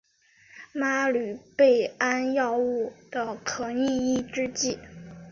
吗氯贝胺药物的可逆抑制剂。